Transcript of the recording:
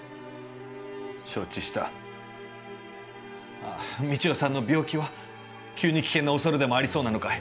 「承知した三千代さんの病気は、急に危険なおそれでもありそうなのかい」。